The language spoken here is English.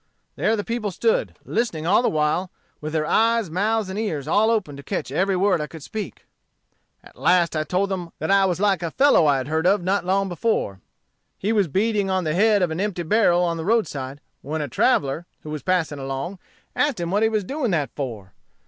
There the people stood, listening all the while, with their eyes, mouths, and ears all open to catch every word I could speak. "At last I told them I was like a fellow I had heard of not long before. He was beating on the head of an empty barrel on the roadside, when a traveller, who was passing along, asked him what he was doing that for?